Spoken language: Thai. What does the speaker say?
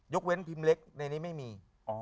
เว้นพิมพ์เล็กในนี้ไม่มี